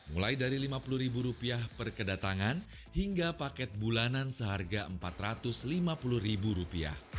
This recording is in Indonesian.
mulai dari rp lima puluh per kedatangan hingga paket bulanan seharga rp empat ratus lima puluh